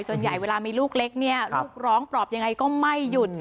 ส่วนใหญ่เวลามีลูกเล็กเนี่ยลูกร้องปลอบยังไงก็ไม่หยุด